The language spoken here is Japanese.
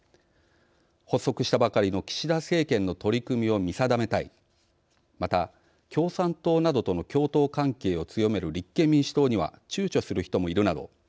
発足したばかりの岸田政権の取り組みを見定めたいまた共産党との共闘関係を強める立憲民主党にはちゅうちょする人もいるなど